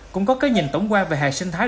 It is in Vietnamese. cũng có cái nhìn tổng quan về hệ sinh thái